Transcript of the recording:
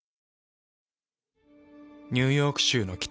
ニューヨーク州の北。